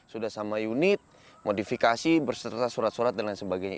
sudah sama unit modifikasi berserta surat surat dan lain sebagainya